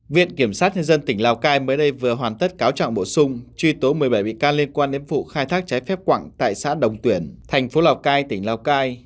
viện kiểm sát nhân dân tỉnh lào cai mới đây vừa hoàn tất cáo trạng bổ sung truy tố một mươi bảy bị can liên quan đến vụ khai thác trái phép quặng tại xã đồng tuyển thành phố lào cai tỉnh lào cai